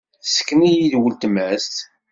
Tesseken-iyi-d uletma-s.